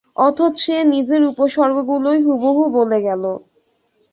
অথচ সে নিজের উপসর্গগুলোই হুবহু বলে গেল।